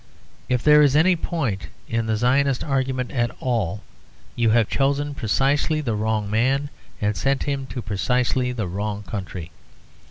If there is any point in the Zionist argument at all, you have chosen precisely the wrong man and sent him to precisely the wrong country.